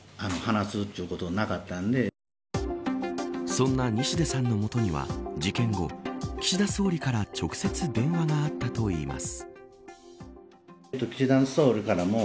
そんな西出さんの元には事件後、岸田総理から直接電話があったといいます。